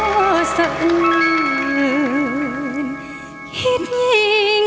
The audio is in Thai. โปรดติดตามตอนต่อไป